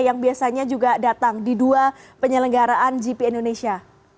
yang biasanya juga datang di dua penyelenggaraan gp indonesia